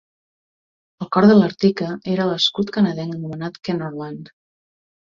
El cor de l'Artica era l'escut canadenc anomenat Kenorland.